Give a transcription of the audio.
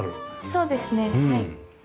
そうですねはい。